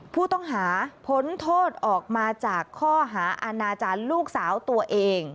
ผู้ต้องหาพ้นโทษออกมาจากข้อหาอาณาจารย์ลูกสาวตัวเอง